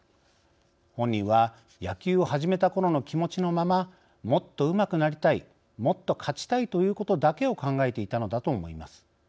本人は野球を始めたころの気持ちのままもっとうまくなりたいもっと勝ちたいということだけを考えていたのだと思います。